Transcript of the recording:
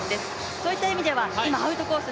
そういった意味では今、アウトコース